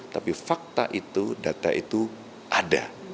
tapi fakta itu data itu ada